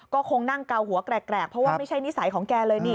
ก็คงนั่งเกาหัวแกรกเพราะว่าไม่ใช่นิสัยของแกเลยนี่